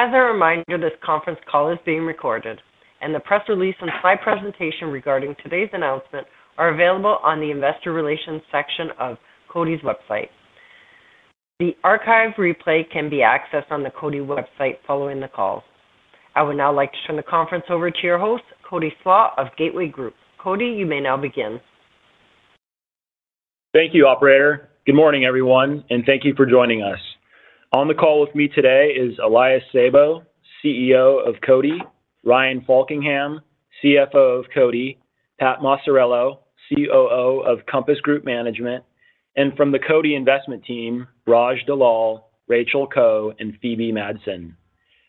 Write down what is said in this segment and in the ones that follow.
As a reminder, this conference call is being recorded, and the press release and slide presentation regarding today's announcement are available on the Investor Relations section of Cody's website. The archive replay can be accessed on the Cody website following the call. I would now like to turn the conference over to your host, Cody Slach of Gateway Group. Cody, you may now begin. Thank you, Operator. Good morning, everyone, and thank you for joining us. On the call with me today is Elias Sabo, CEO of Cody, Ryan Faulkingham, CFO of Cody, Pat Maciariello, COO of Compass Group Management, and from the Cody investment team, Raj Dalal, Rachel Koh, and Phoebe Madsen.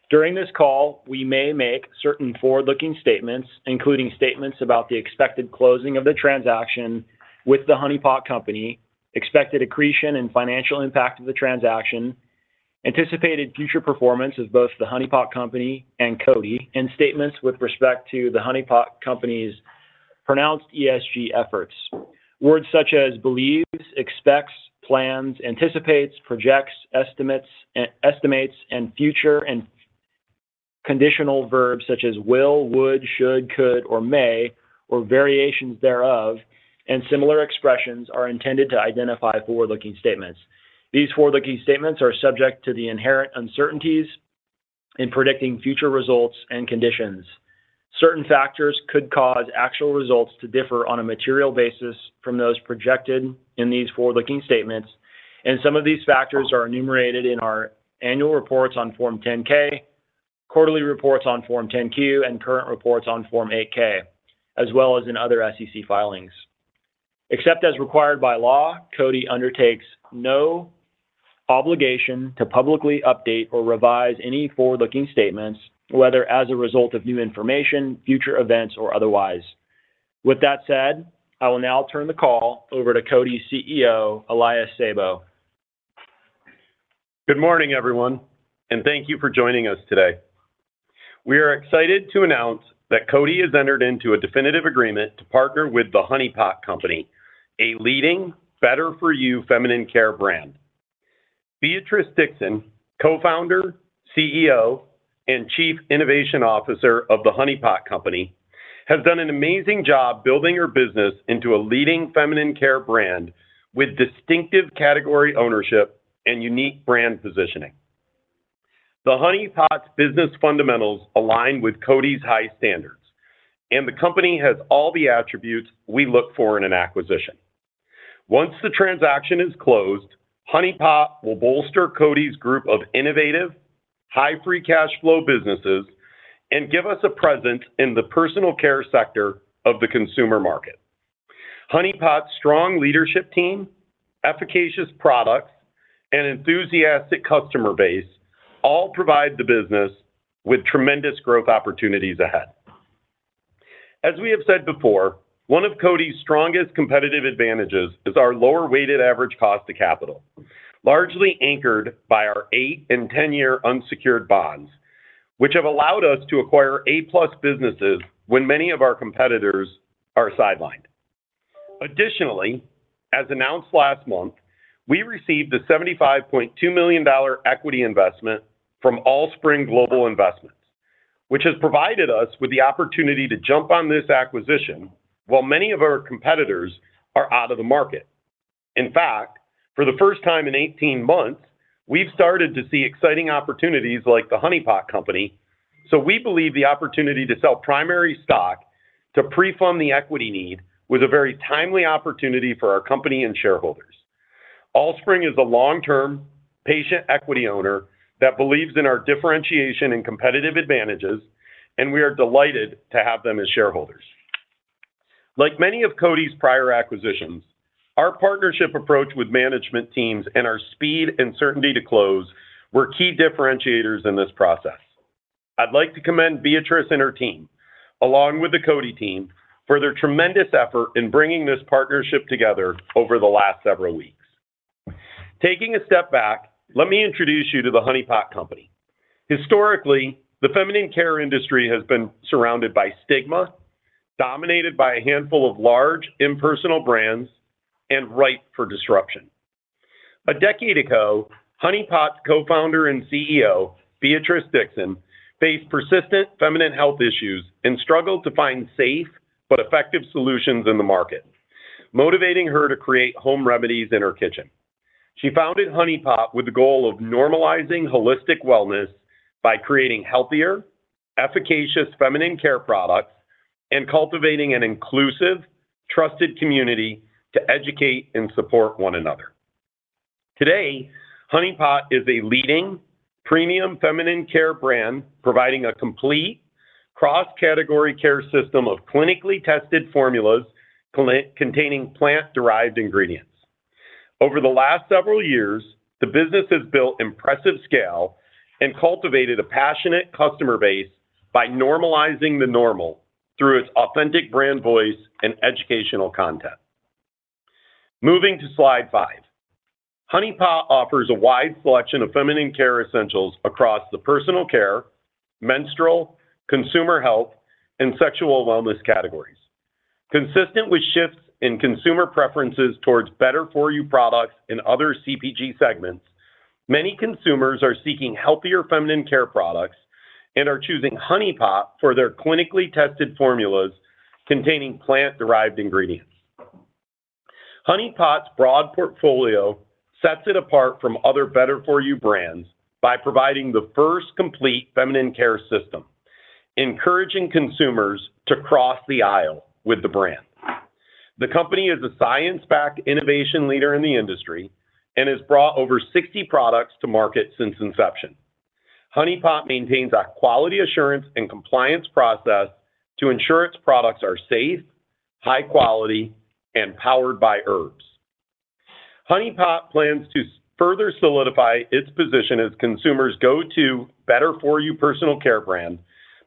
During this call, we may make certain forward-looking statements, including statements about the expected closing of the transaction with The Honey Pot Company, expected accretion and financial impact of the transaction, anticipated future performance of both The Honey Pot Company and Cody, and statements with respect to The Honey Pot Company's pronounced ESG efforts. Words such as believes, expects, plans, anticipates, projects, estimates, and future, and conditional verbs such as will, would, should, could, or may, or variations thereof, and similar expressions are intended to identify forward-looking statements. These forward-looking statements are subject to the inherent uncertainties in predicting future results and conditions. Certain factors could cause actual results to differ on a material basis from those projected in these forward-looking statements, and some of these factors are enumerated in our annual reports on Form 10-K, quarterly reports on Form 10-Q, and current reports on Form 8-K, as well as in other SEC filings. Except as required by law, Cody undertakes no obligation to publicly update or revise any forward-looking statements, whether as a result of new information, future events, or otherwise. With that said, I will now turn the call over to Cody's CEO, Elias Sabo. Good morning, everyone, and thank you for joining us today. We are excited to announce that Cody has entered into a definitive agreement to partner with the Honeypot Company, a leading, better-for-you feminine care brand. Beatrice Dixon, co-founder, CEO, and Chief Innovation Officer of the Honeypot Company, has done an amazing job building her business into a leading feminine care brand with distinctive category ownership and unique brand positioning. The Honeypot's business fundamentals align with Cody's high standards, and the company has all the attributes we look for in an acquisition. Once the transaction is closed, Honeypot will bolster Cody's group of innovative, high-free cash flow businesses and give us a presence in the personal care sector of the consumer market. Honeypot's strong leadership team, efficacious products, and enthusiastic customer base all provide the business with tremendous growth opportunities ahead. As we have said before, one of Cody's strongest competitive advantages is our lower-weighted average cost of capital, largely anchored by our eight- and 10-year unsecured bonds, which have allowed us to acquire A-plus businesses when many of our competitors are sidelined. Additionally, as announced last month, we received a $75.2 million equity investment from Allspring Global Investments, which has provided us with the opportunity to jump on this acquisition while many of our competitors are out of the market. In fact, for the first time in 18 months, we've started to see exciting opportunities like the Honeypot Company, so we believe the opportunity to sell primary stock to pre-fund the equity need was a very timely opportunity for our company and shareholders. Allspring is a long-term, patient equity owner that believes in our differentiation and competitive advantages, and we are delighted to have them as shareholders. Like many of Cody's prior acquisitions, our partnership approach with management teams and our speed and certainty to close were key differentiators in this process. I'd like to commend Beatrice and her team, along with the Cody team, for their tremendous effort in bringing this partnership together over the last several weeks. Taking a step back, let me introduce you to the Honeypot Company. Historically, the feminine care industry has been surrounded by stigma, dominated by a handful of large, impersonal brands, and ripe for disruption. A decade ago, Honeypot's co-founder and CEO, Beatrice Dixon, faced persistent feminine health issues and struggled to find safe but effective solutions in the market, motivating her to create home remedies in her kitchen. She founded Honeypot with the goal of normalizing holistic wellness by creating healthier, efficacious feminine care products and cultivating an inclusive, trusted community to educate and support one another. Today, Honeypot is a leading, premium feminine care brand providing a complete, cross-category care system of clinically tested formulas containing plant-derived ingredients. Over the last several years, the business has built impressive scale and cultivated a passionate customer base by normalizing the normal through its authentic brand voice and educational content. Moving to slide five, Honeypot offers a wide selection of feminine care essentials across the personal care, menstrual, consumer health, and sexual wellness categories. Consistent with shifts in consumer preferences towards better-for-you products in other CPG segments, many consumers are seeking healthier feminine care products and are choosing Honeypot for their clinically tested formulas containing plant-derived ingredients. Honeypot's broad portfolio sets it apart from other better-for-you brands by providing the first complete feminine care system, encouraging consumers to cross the aisle with the brand. The company is a science-backed innovation leader in the industry and has brought over 60 products to market since inception. Honeypot maintains a quality assurance and compliance process to ensure its products are safe, high-quality, and powered by herbs. Honeypot plans to further solidify its position as consumers' go-to better-for-you personal care brand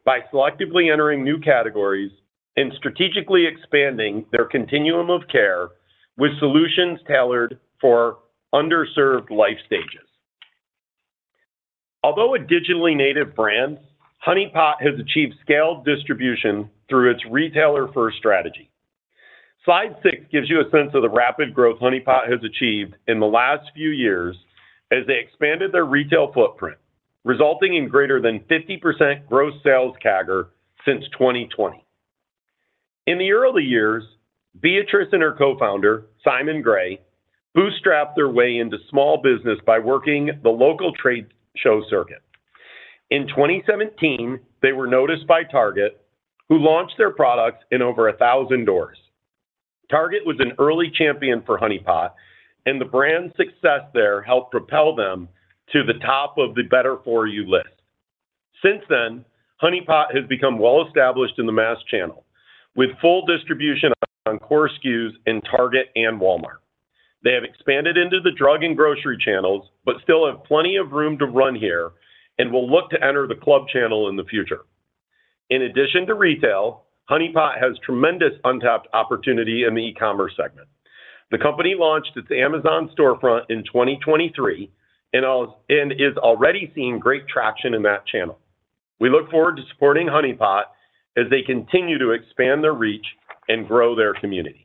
by selectively entering new categories and strategically expanding their continuum of care with solutions tailored for underserved life stages. Although a digitally native brand, Honeypot has achieved scaled distribution through its retailer-first strategy. Slide six gives you a sense of the rapid growth Honeypot has achieved in the last few years as they expanded their retail footprint, resulting in greater than 50% gross sales CAGR since 2020. In the early years, Beatrice and her co-founder, Simon Gray, bootstrapped their way into small business by working the local trade show circuit. In 2017, they were noticed by Target, who launched their products in over 1,000 doors. Target was an early champion for Honeypot, and the brand's success there helped propel them to the top of the better-for-you list. Since then, Honeypot has become well-established in the mass channel with full distribution on Core SKUs in Target and Walmart. They have expanded into the drug and grocery channels but still have plenty of room to run here and will look to enter the club channel in the future. In addition to retail, Honeypot has tremendous untapped opportunity in the e-commerce segment. The company launched its Amazon storefront in 2023 and is already seeing great traction in that channel. We look forward to supporting Honeypot as they continue to expand their reach and grow their community.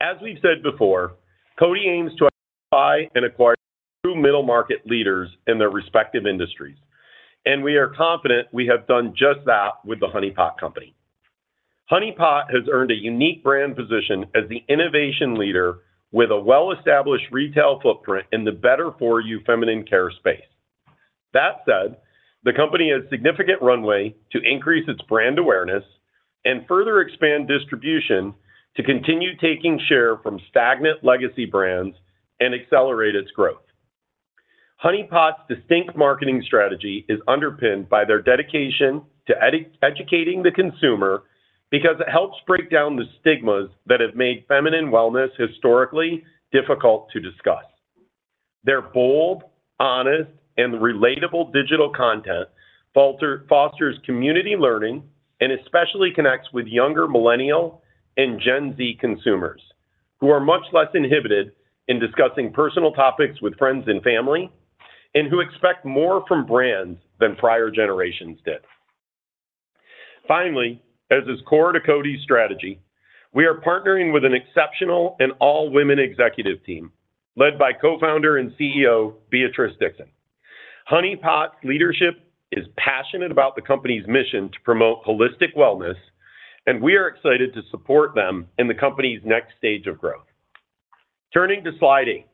As we've said before, Cody aims to identify and acquire true middle-market leaders in their respective industries, and we are confident we have done just that with the Honeypot Company. Honeypot has earned a unique brand position as the innovation leader with a well-established retail footprint in the better-for-you feminine care space. That said, the company has a significant runway to increase its brand awareness and further expand distribution to continue taking share from stagnant legacy brands and accelerate its growth. Honeypot's distinct marketing strategy is underpinned by their dedication to educating the consumer because it helps break down the stigmas that have made feminine wellness historically difficult to discuss. Their bold, honest, and relatable digital content fosters community learning and especially connects with younger millennial and Gen Z consumers who are much less inhibited in discussing personal topics with friends and family and who expect more from brands than prior generations did. Finally, as is core to Cody's strategy, we are partnering with an exceptional and all-women executive team led by Co-founder and CEO Beatrice Dixon. Honeypot's leadership is passionate about the company's mission to promote holistic wellness, and we are excited to support them in the company's next stage of growth. Turning to slide eight,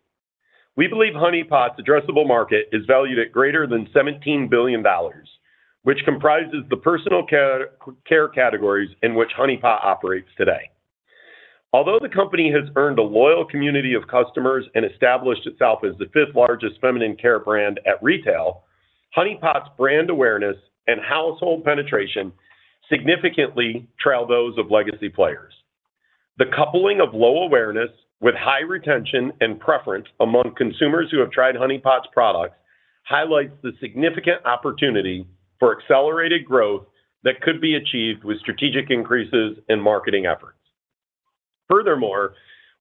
we believe Honeypot's addressable market is valued at greater than $17 billion, which comprises the personal care categories in which Honeypot operates today. Although the company has earned a loyal community of customers and established itself as the fifth-largest feminine care brand at retail, Honeypot's brand awareness and household penetration significantly trail those of legacy players. The coupling of low awareness with high retention and preference among consumers who have tried Honeypot's products highlights the significant opportunity for accelerated growth that could be achieved with strategic increases in marketing efforts. Furthermore,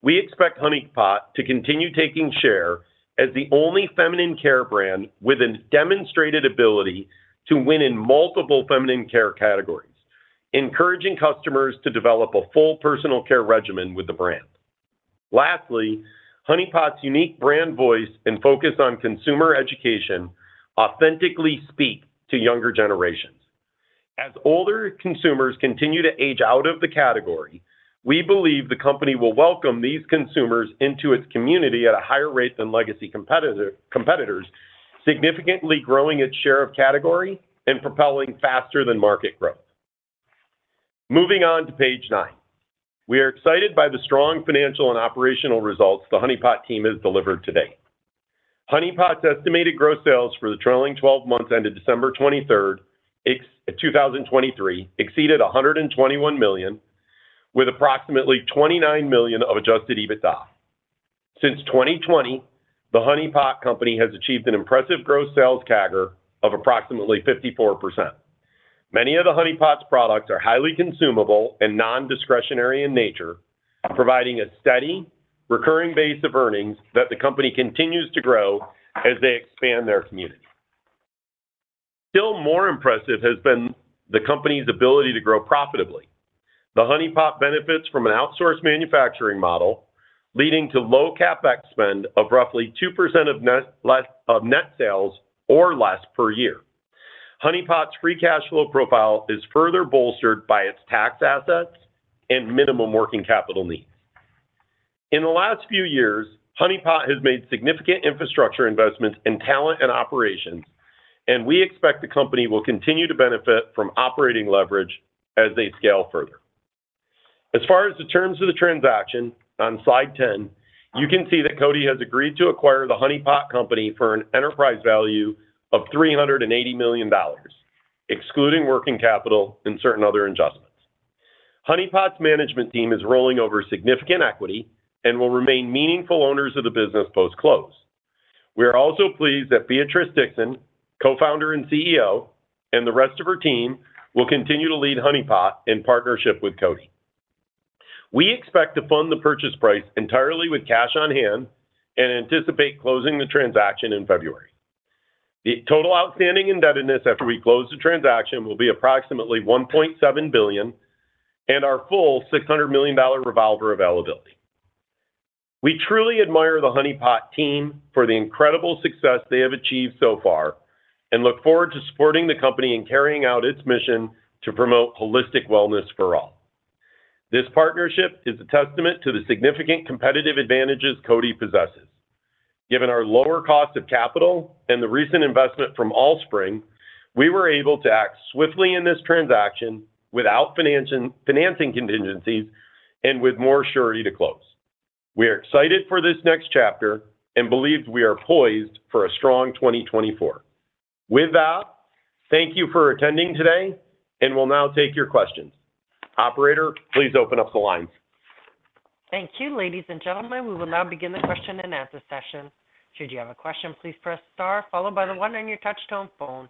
we expect Honeypot to continue taking share as the only feminine care brand with a demonstrated ability to win in multiple feminine care categories, encouraging customers to develop a full personal care regimen with the brand. Lastly, Honeypot's unique brand voice and focus on consumer education authentically speak to younger generations. As older consumers continue to age out of the category, we believe the company will welcome these consumers into its community at a higher rate than legacy competitors, significantly growing its share of category and propelling faster than market growth. Moving on to page nine, we are excited by the strong financial and operational results the Honeypot team has delivered today. Honeypot's estimated gross sales for the trailing 12 months ended December 23rd, 2023, exceeded $121 million with approximately $29 million of adjusted EBITDA. Since 2020, the Honeypot Company has achieved an impressive gross sales CAGR of approximately 54%. Many of the Honeypot's products are highly consumable and non-discretionary in nature, providing a steady, recurring base of earnings that the company continues to grow as they expand their community. Still more impressive has been the company's ability to grow profitably. The Honeypot benefits from an outsourced manufacturing model, leading to low CapEx spend of roughly 2% of net sales or less per year. Honeypot's free cash flow profile is further bolstered by its tax assets and minimum working capital needs. In the last few years, Honeypot has made significant infrastructure investments in talent and operations, and we expect the company will continue to benefit from operating leverage as they scale further. As far as the terms of the transaction, on slide 10, you can see that Cody has agreed to acquire the Honeypot Company for an enterprise value of $380 million, excluding working capital and certain other adjustments. Honeypot's management team is rolling over significant equity and will remain meaningful owners of the business post-close. We are also pleased that Beatrice Dixon, Co-founder and CEO, and the rest of her team will continue to lead Honeypot in partnership with Cody. We expect to fund the purchase price entirely with cash on hand and anticipate closing the transaction in February. The total outstanding indebtedness after we close the transaction will be approximately $1.7 billion and our full $600 million revolver availability. We truly admire the Honeypot team for the incredible success they have achieved so far and look forward to supporting the company in carrying out its mission to promote holistic wellness for all. This partnership is a testament to the significant competitive advantages Cody possesses. Given our lower cost of capital and the recent investment from Allspring, we were able to act swiftly in this transaction without financing contingencies and with more surety to close. We are excited for this next chapter and believe we are poised for a strong 2024. With that, thank you for attending today and will now take your questions. Operator, please open up the lines. Thank you, ladies and gentlemen. We will now begin the question and answer session. Should you have a question, please press star, followed by the one on your touch-tone phone.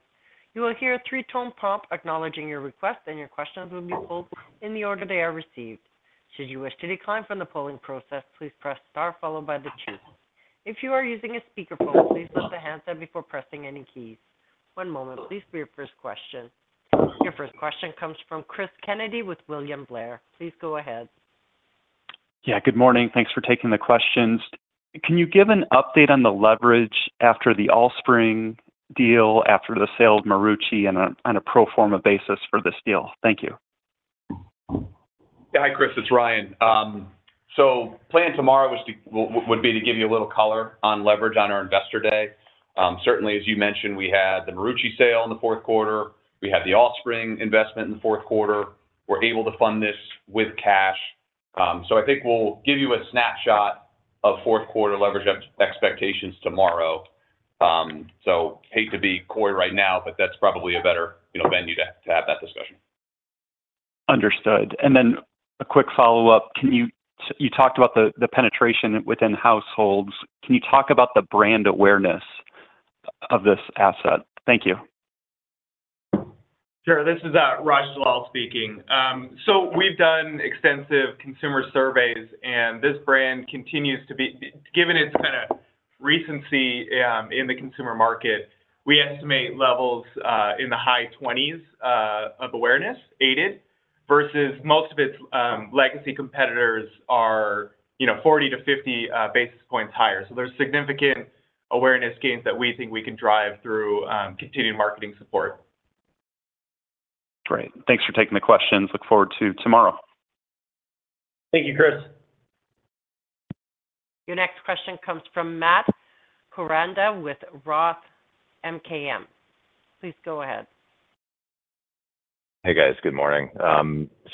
You will hear a three-tone prompt acknowledging your request, and your questions will be pulled in the order they are received. Should you wish to decline from the polling process, please press star, followed by the two. If you are using a speakerphone, please lift the handset before pressing any keys. One moment, please for your first question. Your first question comes from Chris Kennedy with William Blair. Please go ahead. Yeah, good morning. Thanks for taking the questions. Can you give an update on the leverage after the Allspring deal, after the sale of Marucci on a pro forma basis for this deal? Thank you. Yeah, hi, Chris. It's Ryan. So, plan tomorrow would be to give you a little color on leverage on our investor day. Certainly, as you mentioned, we had the Marucci sale in the fourth quarter. We had the Allspring investment in the fourth quarter. We're able to fund this with cash. So, I think we'll give you a snapshot of fourth quarter leverage expectations tomorrow. So, hate to be coy right now, but that's probably a better venue to have that discussion. Understood. And then a quick follow-up. You talked about the penetration within households. Can you talk about the brand awareness of this asset? Thank you. Sure. This is Raj Dalal speaking. So we've done extensive consumer surveys, and this brand continues to be, given its kind of recency in the consumer market, we estimate levels in the high 20s of awareness aided versus most of its legacy competitors are 40-50 basis points higher. So there's significant awareness gains that we think we can drive through continued marketing support. Great. Thanks for taking the questions. Look forward to tomorrow. Thank you, Chris. Your next question comes from Matt Koranda with Roth MKM. Please go ahead. Hey, guys. Good morning.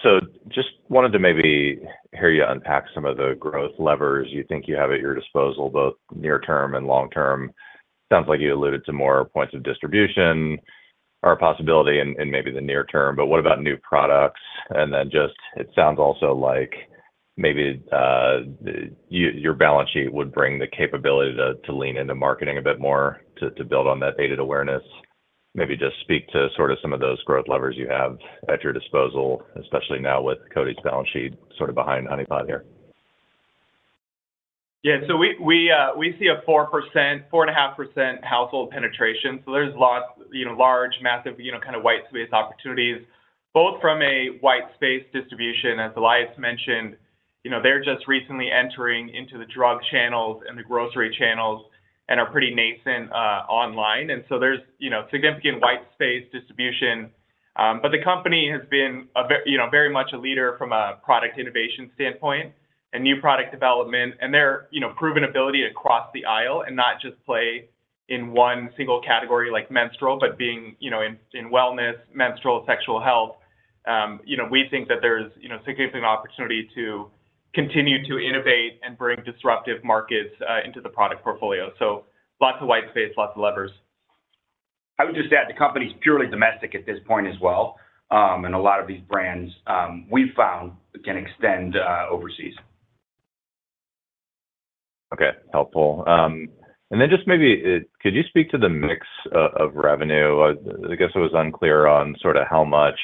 So just wanted to maybe hear you unpack some of the growth levers you think you have at your disposal, both near-term and long-term. Sounds like you alluded to more points of distribution or a possibility in maybe the near term, but what about new products? And then just it sounds also like maybe your balance sheet would bring the capability to lean into marketing a bit more to build on that aided awareness. Maybe just speak to sort of some of those growth levers you have at your disposal, especially now with Cody's balance sheet sort of behind Honeypot here. Yeah. So we see a 4.5% household penetration. So there's lots of large, massive kind of white space opportunities, both from a white space distribution, as Elias mentioned. They're just recently entering into the drug channels and the grocery channels and are pretty nascent online. And so there's significant white space distribution. But the company has been very much a leader from a product innovation standpoint and new product development and their proven ability to cross the aisle and not just play in one single category like menstrual, but being in wellness, menstrual, sexual health. We think that there's significant opportunity to continue to innovate and bring disruptive markets into the product portfolio. So lots of white space, lots of levers. I would just add the company's purely domestic at this point as well. And a lot of these brands we've found can extend overseas. Okay. Helpful. And then just maybe could you speak to the mix of revenue? I guess it was unclear on sort of how much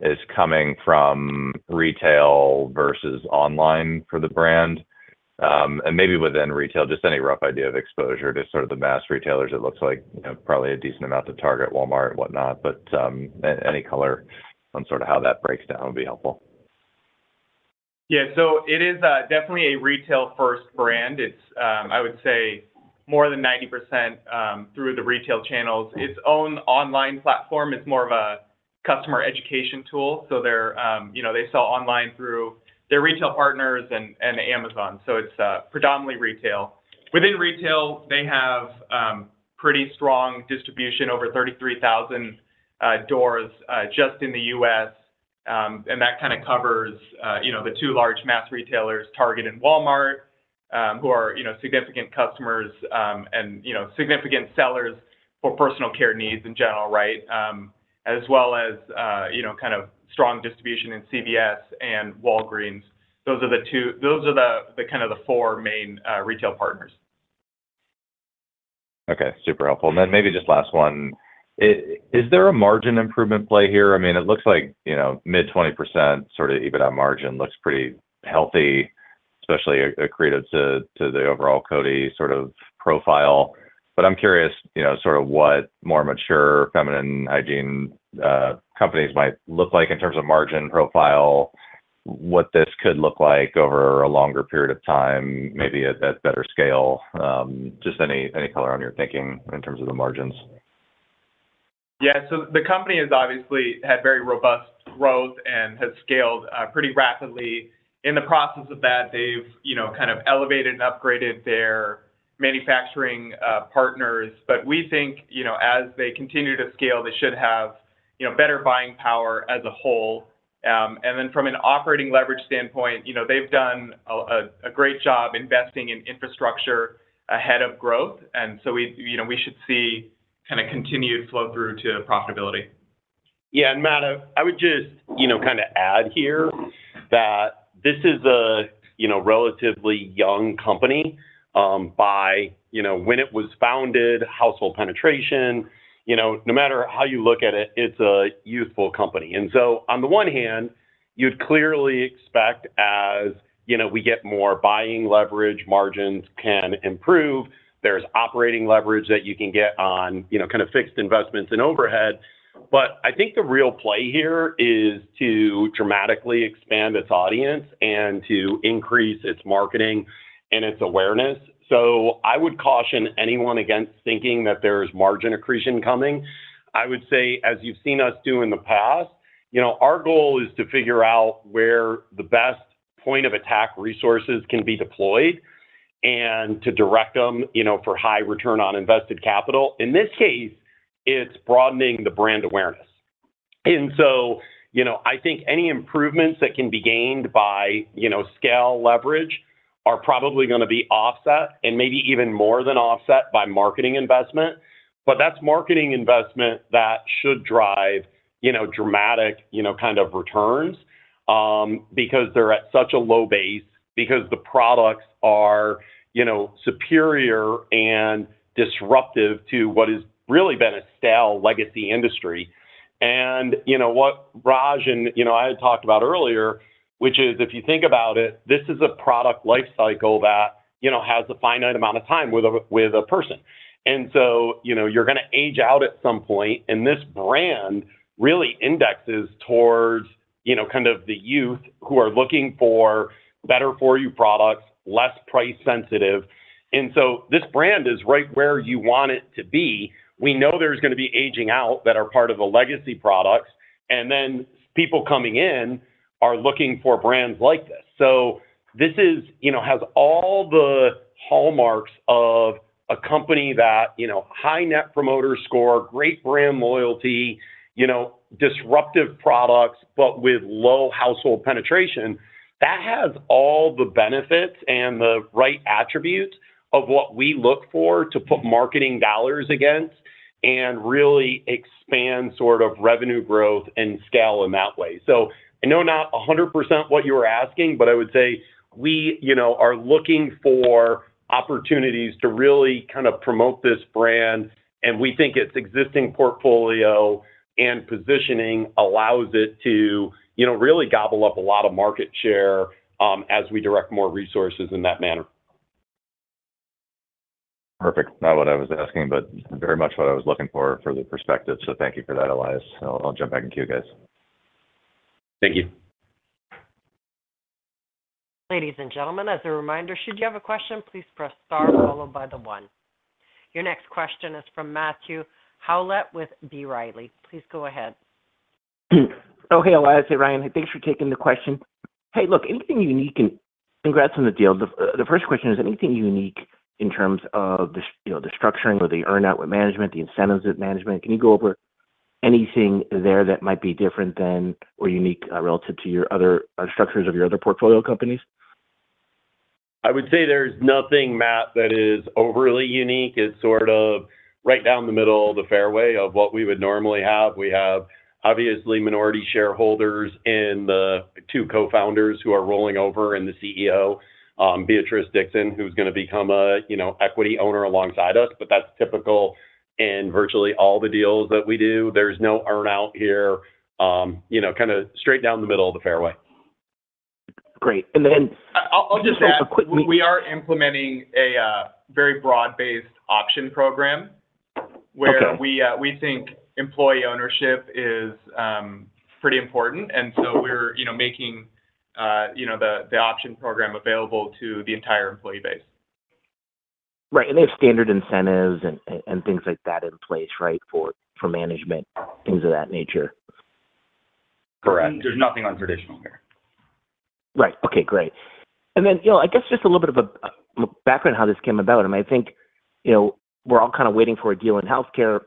is coming from retail versus online for the brand. And maybe within retail, just any rough idea of exposure to sort of the mass retailers. It looks like probably a decent amount to Target, Walmart, whatnot. But any color on sort of how that breaks down would be helpful. Yeah. So it is definitely a retail-first brand. It's, I would say, more than 90% through the retail channels. Its own online platform is more of a customer education tool. So they sell online through their retail partners and Amazon. So it's predominantly retail. Within retail, they have pretty strong distribution over 33,000 doors just in the U.S. And that kind of covers the two large mass retailers, Target and Walmart, who are significant customers and significant sellers for personal care needs in general, right? As well as kind of strong distribution in CVS and Walgreens. Those are the two. Those are the kind of the four main retail partners. Okay. Super helpful. And then maybe just last one. Is there a margin improvement play here? I mean, it looks like mid-20% sort of EBITDA margin looks pretty healthy, especially accretive to the overall Cody sort of profile. But I'm curious, sort of, what more mature feminine hygiene companies might look like in terms of margin profile, what this could look like over a longer period of time, maybe at better scale. Just any color on your thinking in terms of the margins. Yeah. So the company has obviously had very robust growth and has scaled pretty rapidly. In the process of that, they've kind of elevated and upgraded their manufacturing partners. But we think as they continue to scale, they should have better buying power as a whole. And then from an operating leverage standpoint, they've done a great job investing in infrastructure ahead of growth. And so we should see kind of continued flow through to profitability. Yeah. And Matt, I would just kind of add here that this is a relatively young company. \=By when it was founded, household penetration, no matter how you look at it, it's a youthful company. And so on the one hand, you'd clearly expect as we get more buying leverage, margins can improve. There's operating leverage that you can get on kind of fixed investments and overhead. But I think the real play here is to dramatically expand its audience and to increase its marketing and its awareness. So I would caution anyone against thinking that there's margin accretion coming. I would say, as you've seen us do in the past, our goal is to figure out where the best point of attack resources can be deployed and to direct them for high return on invested capital. In this case, it's broadening the brand awareness. And so I think any improvements that can be gained by scale leverage are probably going to be offset and maybe even more than offset by marketing investment. But that's marketing investment that should drive dramatic kind of returns because they're at such a low base, because the products are superior and disruptive to what has really been a stale legacy industry. And what Raj and I had talked about earlier, which is if you think about it, this is a product lifecycle that has a finite amount of time with a person. And so you're going to age out at some point. And this brand really indexes towards kind of the youth who are looking for better-for-you products, less price-sensitive. And so this brand is right where you want it to be. We know there's going to be aging out that are part of the legacy products. And then people coming in are looking for brands like this. So this has all the hallmarks of a company that high Net Promoter Score, great brand loyalty, disruptive products, but with low household penetration. That has all the benefits and the right attributes of what we look for to put marketing dollars against and really expand sort of revenue growth and scale in that way. So I know not 100% what you were asking, but I would say we are looking for opportunities to really kind of promote this brand. And we think its existing portfolio and positioning allows it to really gobble up a lot of market share as we direct more resources in that manner. Perfect. Not what I was asking, but very much what I was looking for for the perspective. So thank you for that, Elias. I'll jump back into you guys. Thank you. Ladies and gentlemen, as a reminder, should you have a question, please press star followed by the one. Your next question is from Matthew Howlett with B. Riley. Please go ahead. Oh, hey, Elias. Hey, Ryan. Thanks for taking the question. Hey, look, anything unique and congrats on the deal. The first question is, anything unique in terms of the structuring or the earn-out with management, the incentives with management? Can you go over anything there that might be different than or unique relative to your other structures of your other portfolio companies? I would say there's nothing, Matt, that is overly unique. It's sort of right down the middle, the fairway of what we would normally have. We have obviously minority shareholders and the two co-founders who are rolling over and the CEO, Beatrice Dixon, who's going to become an equity owner alongside us. But that's typical in virtually all the deals that we do. There's no earn-out here. Kind of straight down the middle of the fairway. Great. And then I'll just add a quick we are implementing a very broad-based option program where we think employee ownership is pretty important. And so we're making the option program available to the entire employee base. Right. And they have standard incentives and things like that in place, right, for management, things of that nature. Correct. There's nothing untraditional here. Right. Okay. Great. And then I guess just a little bit of a background on how this came about. I mean, I think we're all kind of waiting for a deal in healthcare.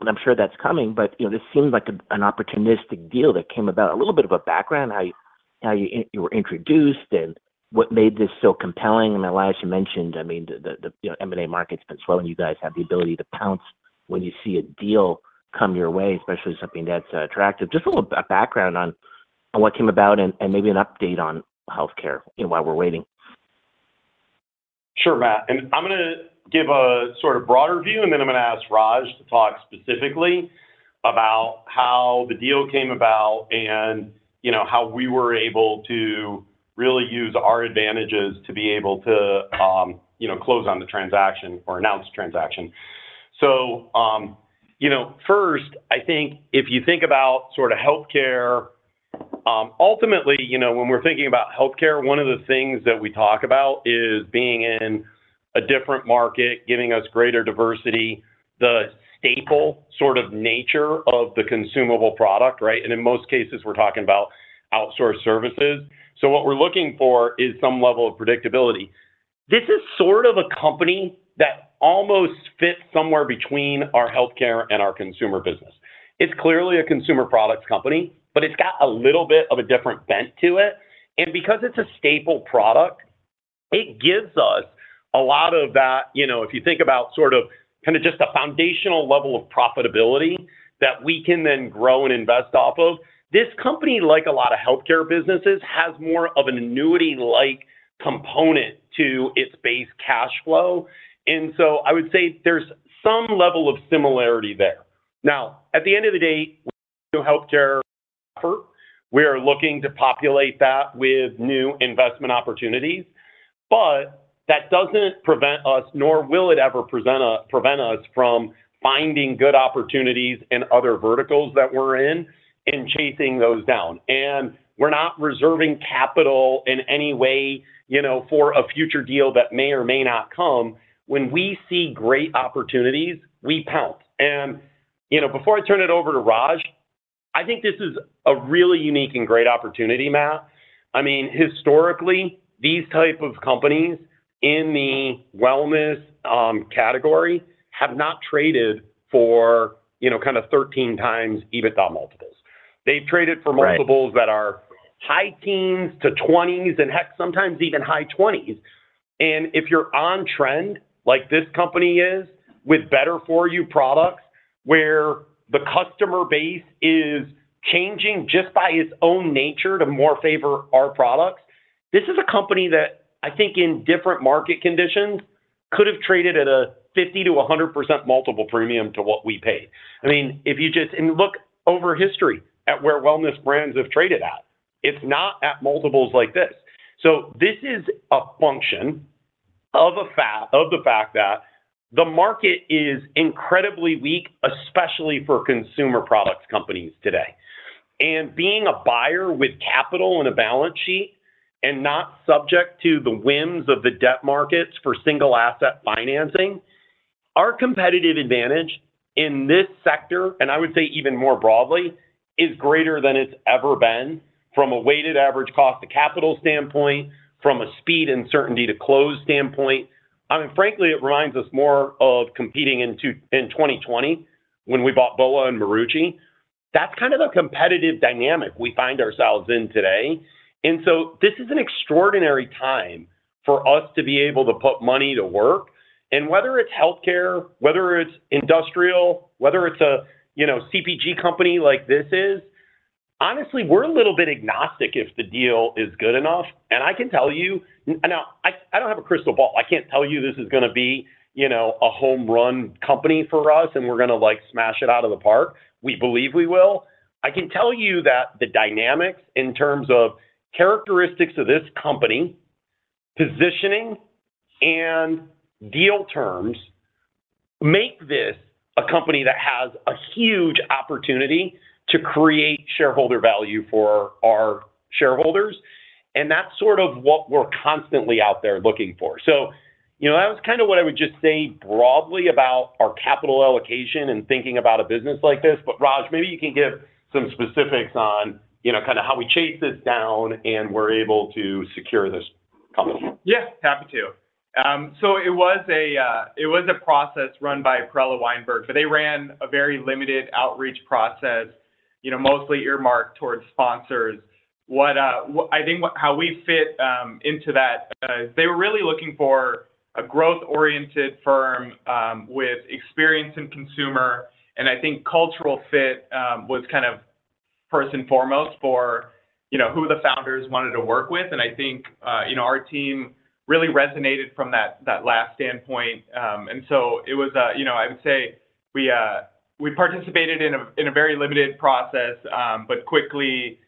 And I'm sure that's coming. But this seemed like an opportunistic deal that came about. A little bit of a background, how you were introduced and what made this so compelling. Elias, you mentioned, I mean, the M&A market's been slowing. You guys have the ability to pounce when you see a deal come your way, especially something that's attractive. Just a little background on what came about and maybe an update on healthcare while we're waiting. Sure, Matt. I'm going to give a sort of broader view. Then I'm going to ask Raj to talk specifically about how the deal came about and how we were able to really use our advantages to be able to close on the transaction or announce the transaction. First, I think if you think about sort of healthcare, ultimately, when we're thinking about healthcare, one of the things that we talk about is being in a different market, giving us greater diversity, the staple sort of nature of the consumable product, right? In most cases, we're talking about outsourced services. So what we're looking for is some level of predictability. This is sort of a company that almost fits somewhere between our healthcare and our consumer business. It's clearly a consumer products company, but it's got a little bit of a different bent to it, because it's a staple product, it gives us a lot of that. If you think about sort of kind of just a foundational level of profitability that we can then grow and invest off of, this company, like a lot of healthcare businesses, has more of an annuity-like component to its base cash flow, so I would say there's some level of similarity there. Now, at the end of the day, we do healthcare vertical. We are looking to populate that with new investment opportunities. But that doesn't prevent us, nor will it ever prevent us from finding good opportunities in other verticals that we're in and chasing those down. And we're not reserving capital in any way for a future deal that may or may not come. When we see great opportunities, we pounce. And before I turn it over to Raj, I think this is a really unique and great opportunity, Matt. I mean, historically, these types of companies in the wellness category have not traded for kind of 13 times EBITDA multiples. They've traded for multiples that are high teens to 20s and sometimes even high 20s. If you're on trend like this company is with better-for-you products where the customer base is changing just by its own nature to more favor our products, this is a company that I think in different market conditions could have traded at a 50%-100% multiple premium to what we paid. I mean, if you just look over history at where wellness brands have traded at, it's not at multiples like this. So this is a function of the fact that the market is incredibly weak, especially for consumer products companies today. Being a buyer with capital and a balance sheet and not subject to the whims of the debt markets for single asset financing, our competitive advantage in this sector, and I would say even more broadly, is greater than it's ever been from a weighted average cost of capital standpoint, from a speed and certainty to close standpoint. I mean, frankly, it reminds us more of competing in 2020 when we bought BOA and Marucci. That's kind of a competitive dynamic we find ourselves in today. And so this is an extraordinary time for us to be able to put money to work. And whether it's healthcare, whether it's industrial, whether it's a CPG company like this is, honestly, we're a little bit agnostic if the deal is good enough. And I can tell you now, I don't have a crystal ball. I can't tell you this is going to be a home run company for us and we're going to smash it out of the park. We believe we will. I can tell you that the dynamics in terms of characteristics of this company, positioning, and deal terms make this a company that has a huge opportunity to create shareholder value for our shareholders. And that's sort of what we're constantly out there looking for. So that was kind of what I would just say broadly about our capital allocation and thinking about a business like this. But Raj, maybe you can give some specifics on kind of how we chase this down and we're able to secure this company. Yeah, happy to. So it was a process run by Perella Weinberg, but they ran a very limited outreach process, mostly earmarked towards sponsors. I think how we fit into that, they were really looking for a growth-oriented firm with experience in consumer. And I think cultural fit was kind of first and foremost for who the founders wanted to work with. And I think our team really resonated from that last standpoint. And so it was, I would say we participated in a very limited process, but quickly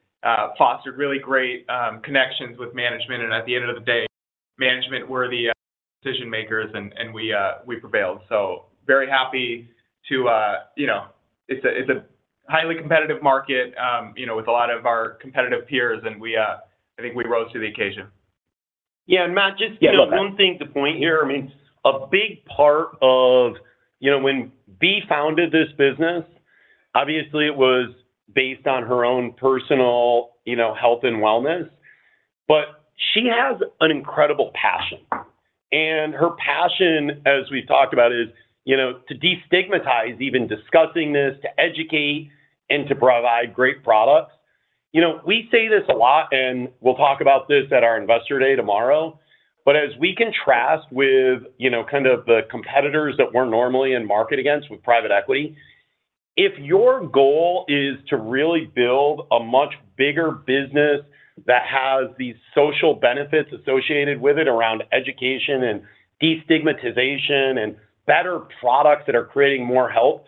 fostered really great connections with management. And at the end of the day, management were the decision makers and we prevailed. So very happy to it's a highly competitive market with a lot of our competitive peers. And I think we rose to the occasion. Yeah. And Matt, just one thing to point here. I mean, a big part of when Bea founded this business, obviously, it was based on her own personal health and wellness. But she has an incredible passion. And her passion, as we've talked about, is to destigmatize even discussing this, to educate, and to provide great products. We say this a lot, and we'll talk about this at our investor day tomorrow. But as we contrast with kind of the competitors that we're normally in market against with private equity, if your goal is to really build a much bigger business that has these social benefits associated with it around education and destigmatization and better products that are creating more health,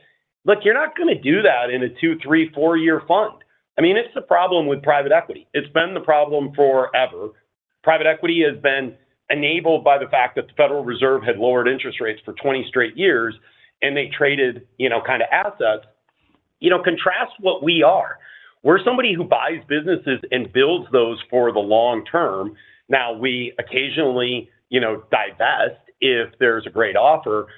look, you're not going to do that in a two, three, four-year fund. I mean, it's the problem with private equity. It's been the problem forever. Private equity has been enabled by the fact that the Federal Reserve had lowered interest rates for 20 straight years, and they traded kind of assets. Contrast what we are. We're somebody who buys businesses and builds those for the long term. Now, we occasionally divest if there's a great offer.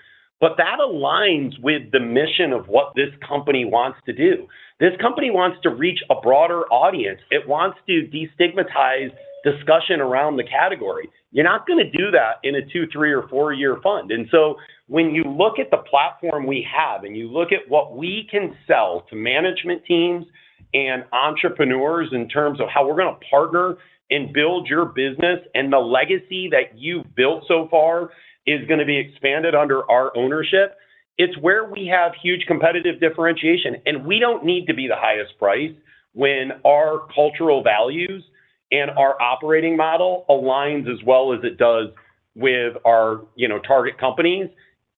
But that aligns with the mission of what this company wants to do. This company wants to reach a broader audience. It wants to destigmatize discussion around the category. You're not going to do that in a two, three, or four-year fund. And so when you look at the platform we have and you look at what we can sell to management teams and entrepreneurs in terms of how we're going to partner and build your business and the legacy that you've built so far is going to be expanded under our ownership, it's where we have huge competitive differentiation. And we don't need to be the highest price when our cultural values and our operating model aligns as well as it does with our target companies,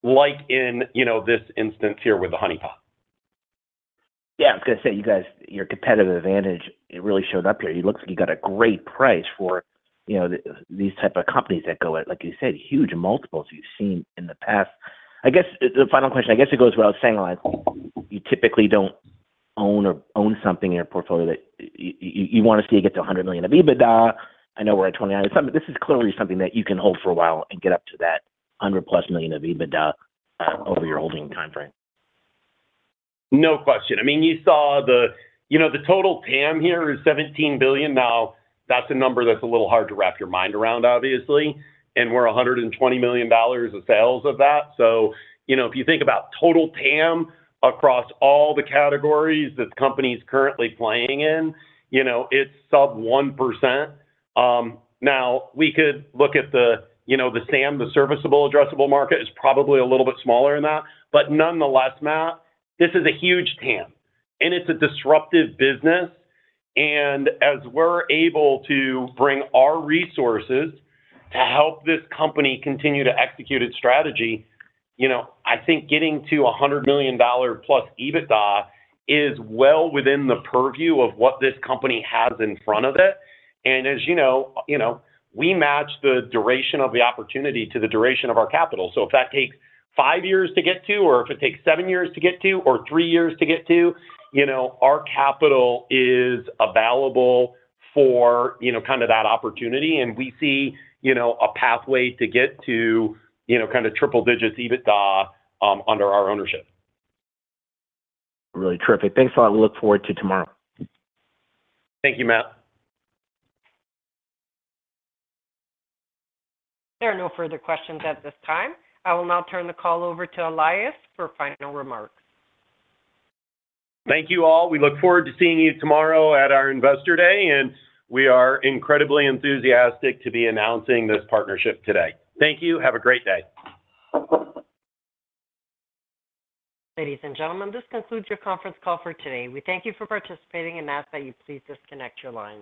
like in this instance here with The Honeypot. Yeah. I was going to say, you guys, your competitive advantage really showed up here. It looks like you got a great price for these types of companies that go at, like you said, huge multiples you've seen in the past. I guess the final question, I guess it goes without saying, Elias, you typically don't own something in your portfolio that you want to see it get to $100 million of EBITDA. I know we're at $29 million. This is clearly something that you can hold for a while and get up to that 100-plus million of EBITDA over your holding timeframe. No question. I mean, you saw the total TAM here is $17 billion. Now, that's a number that's a little hard to wrap your mind around, obviously, and we're $120 million of sales of that. So if you think about total TAM across all the categories that the company's currently playing in, it's sub 1%. Now, we could look at the SAM, the serviceable addressable market, is probably a little bit smaller than that, but nonetheless, Matt, this is a huge TAM, and it's a disruptive business, and as we're able to bring our resources to help this company continue to execute its strategy, I think getting to $100 million plus EBITDA is well within the purview of what this company has in front of it, and as you know, we match the duration of the opportunity to the duration of our capital. So if that takes five years to get to, or if it takes seven years to get to, or three years to get to, our capital is available for kind of that opportunity. And we see a pathway to get to kind of triple digits EBITDA under our ownership. Really terrific. Thanks a lot. We'll look forward to tomorrow. Thank you, Matt. There are no further questions at this time. I will now turn the call over to Elias for final remarks. Thank you all. We look forward to seeing you tomorrow at our investor day. And we are incredibly enthusiastic to be announcing this partnership today. Thank you. Have a great day. Ladies and gentlemen, this concludes your conference call for today. We thank you for participating and ask that you please disconnect your lines.